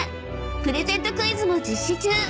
［プレゼントクイズも実施中。